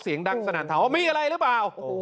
เสียงดังสนั่นถามว่ามีอะไรหรือเปล่า